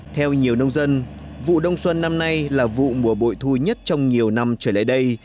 theo nhiều nông dân vụ đông xuân năm nay là vụ mùa bội thu nhất trong nhiều năm trở lại đây